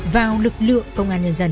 vào lực lượng công an nhân dân